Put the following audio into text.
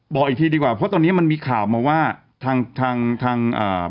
บอกอีกทีดีกว่าเพราะตอนนี้มันมีข่าวมาว่าทางทางทางอ่า